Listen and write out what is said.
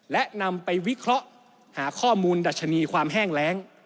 และนำไปวิเคราะห์หาข้อมูลดัชนีความแห้งแรง